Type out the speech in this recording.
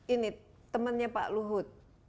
ini temennya pak luhut